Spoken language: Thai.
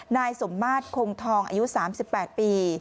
นายสมมาตรคงทองอายุ๓๘ปี